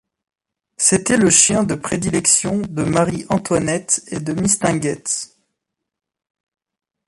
C'était le chien de prédilection de Marie-Antoinette et de Mistinguett.